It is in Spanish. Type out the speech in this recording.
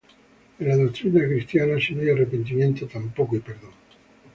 En la doctrina cristiana, si no hay arrepentimiento, tampoco hay perdón.